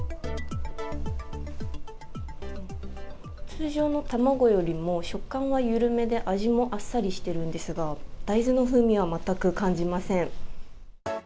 通常の卵よりも食感は緩めで味もあっさりしているんですが大豆の風味は全く感じません。